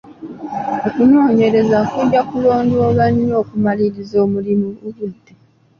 Okunoonyereza kujja kulondoolwa nnyo okumaliriza omulimu bu budde.